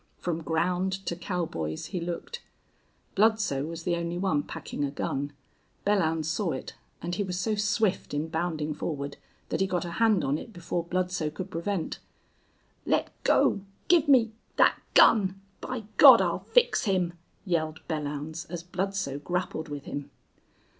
From ground to cowboys he looked. Bludsoe was the only one packing a gun. Belllounds saw it, and he was so swift in bounding forward that he got a hand on it before Bludsoe could prevent. "Let go! Give me that gun! By God! I'll fix him!" yelled Belllounds, as Bludsoe grappled with him.